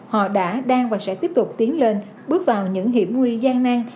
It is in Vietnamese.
họ đã đang và sẽ tiếp tục tiến lên bước vào những hiểm nguy gian nang